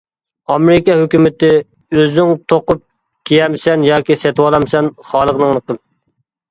ئامېرىكا ھۆكۈمىتى: ئۆزۈڭ توقۇپ كىيەمسەن ياكى سېتىۋالامسەن خالىغىنىڭنى قىل.